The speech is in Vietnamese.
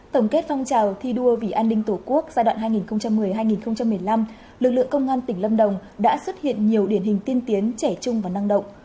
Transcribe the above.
tổng kết phong trào thi đua vì an ninh tổ quốc giai đoạn hai nghìn một mươi hai nghìn một mươi năm lực lượng công an tỉnh lâm đồng đã xuất hiện nhiều điển hình tiên tiến trẻ trung và năng động